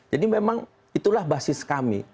jadi memang itulah basis kami